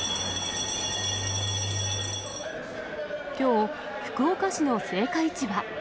きょう、福岡市の青果市場。